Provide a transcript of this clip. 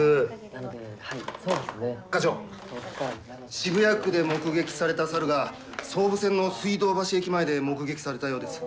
課長渋谷区で目撃された猿が総武線の水道橋駅前で目撃されたようです。